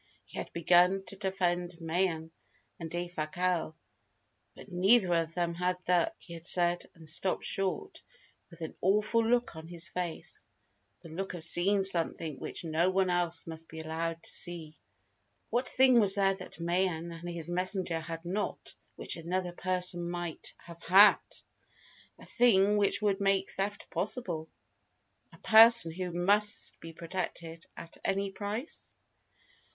He had begun to defend Mayen and Defasquelle. "But neither one of them had the " he had said, and stopped short, with an awful look on his face the look of seeing something which no one else must be allowed to see. What thing was there that Mayen and his messenger had not, which another person might have had? A thing which would make theft possible? A person who must be protected at any price?